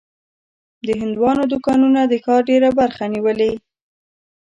د هندوانو دوکانونه د ښار ډېره برخه نیولې.